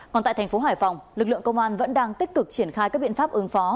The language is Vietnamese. còn tại thành phố hải phòng lực lượng công an vẫn đang tích cực triển khai các biện pháp ứng phó